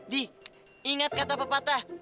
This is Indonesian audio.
di ingat kata pepatah